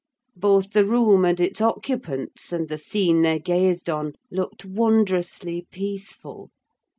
Both the room and its occupants, and the scene they gazed on, looked wondrously peaceful.